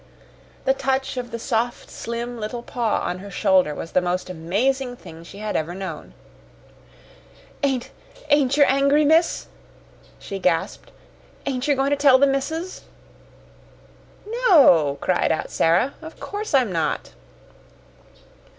The touch of the soft, slim little paw on her shoulder was the most amazing thing she had ever known. "Ain't ain't yer angry, miss?" she gasped. "Ain't yer goin' to tell the missus?" "No," cried out Sara. "Of course I'm not."